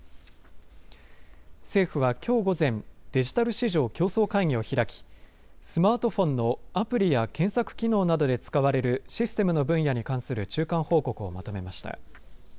政府はきょう午前デジタル市場競争会議を開きスマートフォンのアプリや検索機能などで使われるシステムの分野に関する中間報告をまとめました。